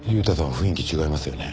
雰囲気違いますよね。